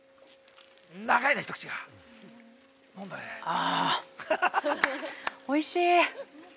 ああ、おいしい！